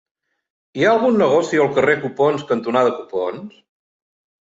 Hi ha algun negoci al carrer Copons cantonada Copons?